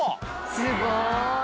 すごい。